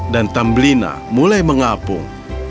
dan tambelina mulai mengapung